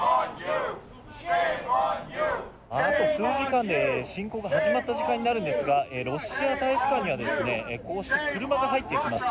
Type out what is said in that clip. あと数時間で侵攻が始まった時間になるんですがロシア大使館にはこうして車が入っていきます。